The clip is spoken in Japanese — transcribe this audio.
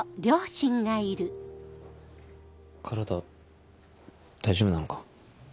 体大丈夫なのか？